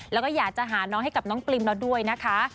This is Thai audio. แล้วก็อยากจะหาน้องให้กับน้องปริมเราด้วยนะคะ